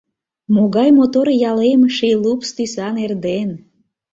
Могай мотор ялем Ший лупс тӱсан эрден!